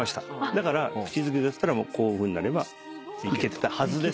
だから口づけはこういうふうになればいけてたはずです。